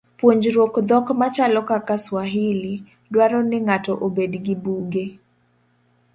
Puonjruok dhok machalo kaka Swahili, dwaro ni ng'ato obed gi buge.